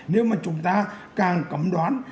nếu mà chúng ta càng cấm đoán